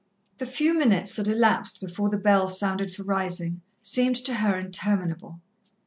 The few minutes that elapsed before the bell sounded for rising, seemed to her interminable.